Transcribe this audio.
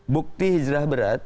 bukti hijrah berat